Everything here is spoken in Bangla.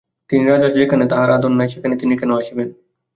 তিনি রাজা, যেখানে তাঁহার আদর নাই, সেখানে তিনি কেন আসিবেন?